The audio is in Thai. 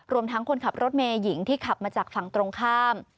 ทั้งคนขับรถเมย์หญิงที่ขับมาจากฝั่งตรงข้าม